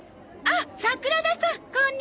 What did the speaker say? あっ桜田さん！